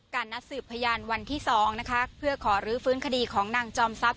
นัดสืบพยานวันที่๒นะคะเพื่อขอรื้อฟื้นคดีของนางจอมทรัพย